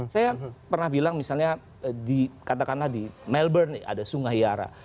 saya pernah bilang misalnya di katakanlah di melbourne ada sungai yara